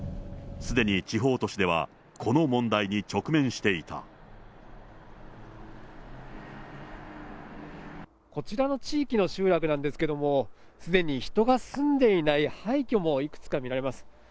すでに地方都市ではこの問題に直こちらの地域の集落なんですけれども、すでに人が住んでいない廃虚もいくつか見られます。